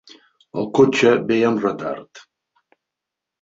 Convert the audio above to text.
El cotxe ve amb retard.